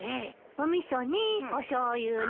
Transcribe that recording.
お味噌におしょうゆに。